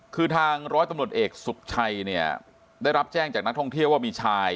คือทางร้อยตำรวจเอกสุขชัยเนี่ยได้รับแจ้งจากนักท่องเที่ยวว่ามีชาย